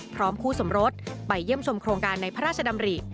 พร้อมคู่สมรสไปเยี่ยมชมโครงการในพระราชดำริ